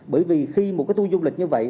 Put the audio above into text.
bởi vì khi một cái tour du lịch như vậy